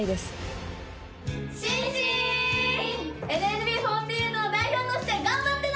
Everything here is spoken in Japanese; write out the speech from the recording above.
ＮＭＢ４８の代表として頑張ってな！